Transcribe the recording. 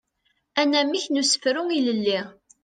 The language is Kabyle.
Anamek n usefru ilelli.